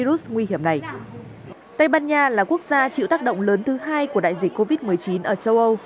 tây ban nha là quốc gia chịu tác động lớn thứ hai của đại dịch covid một mươi chín ở châu âu